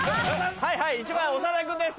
はいはい１番長田君です。